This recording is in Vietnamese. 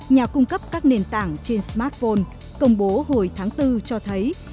nhà cung cấp các nền tảng trên smartphone công bố hồi tháng bốn cho thấy